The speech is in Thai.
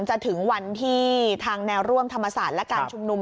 จะถึงวันที่ทางแนวร่วมธรรมศาสตร์และการชุมนุม